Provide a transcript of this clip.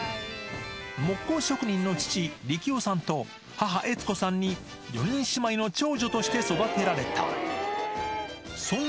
木工職人の父、力夫さんと母、悦子さんに４人姉妹の長女として育てられた。